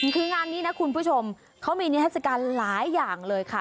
คืองานนี้นะคุณผู้ชมเขามีนิทัศกาลหลายอย่างเลยค่ะ